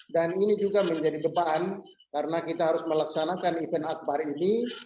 dan ini juga menjadi beban karena kita harus melaksanakan event akbar ini